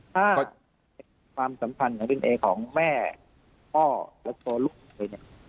ถ้าความสำคัญของดีเนเอของแม่พ่อและตัวลูกเลยเนี้ย